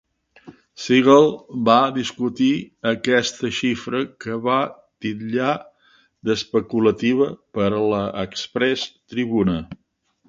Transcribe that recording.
Sehgal va discutir aquesta xifra, que va titllar d'"especulativa" per a "Express Tribune".